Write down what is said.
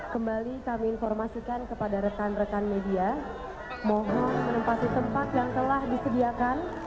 kembali kami informasikan kepada rekan rekan media mohon menempati tempat yang telah disediakan